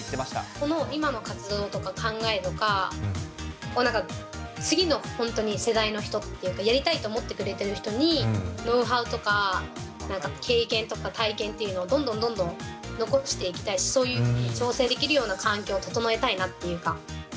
この今の活動とか考えとかを、なんか次の本当に世代の人っていうか、やりたいと思ってくれてる人に、ノウハウとか、経験とか体験っていうのを、どんどんどんどん残していきたいし、そういう挑戦できるような環境を整えたいなっていうか。